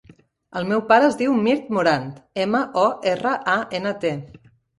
El meu pare es diu Mirt Morant: ema, o, erra, a, ena, te.